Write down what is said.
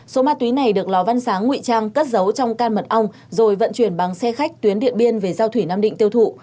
số ma túy này được lò văn sáng nguy trang cất giấu trong can mật ong rồi vận chuyển bằng xe khách tuyến điện biên về giao thủy nam định tiêu thụ